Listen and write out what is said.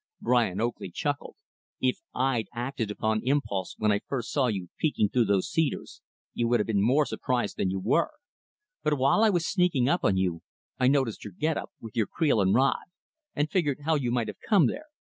Brian Oakley chuckled; "If I'd acted upon impulse when I first saw you peeking through those cedars, you would have been more surprised than you were. But while I was sneaking up on you I noticed your get up with your creel and rod and figured how you might have come there.